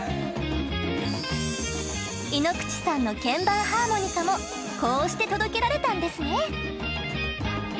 井ノ口さんの鍵盤ハーモニカもこうして届けられたんですね。